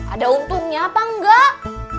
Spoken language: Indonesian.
ada untungnya apa enggak